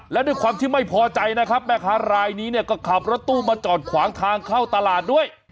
และด้วยความที่ไม่พอใจนะครับแม่ค้ารายนี้เนี่ยก็ขับรถตู้มาจอดขวางทางเข้าตลาดด้วย